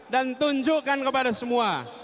dan tunjukkan kepada semua